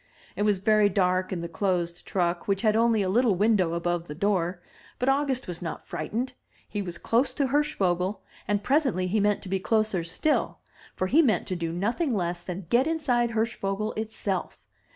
It was very dark in the closed truck, which had only a little window above the door. But August was not frightened; he was close to Hirschvogel, and presently he meant to be closer still; for he meant to do nothing less than get inside Hirschvogel itself.